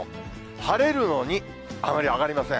晴れるのに、あまり上がりません。